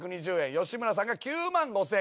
吉村さんが９万５，０００円。